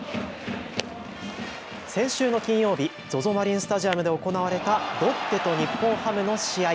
先週の金曜日、ＺＯＺＯマリンスタジアムで行われたロッテと日本ハムの試合。